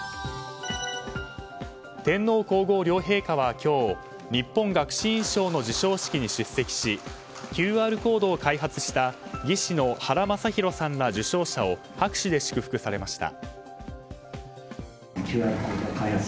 天皇・皇后両陛下は今日日本学士院賞の授賞式に出席しＱＲコードを開発した技師の原昌宏さんら受賞者を拍手で祝福されました。